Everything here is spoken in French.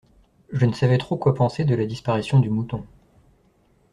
Je ne savais trop quoi penser de la disparition du mouton.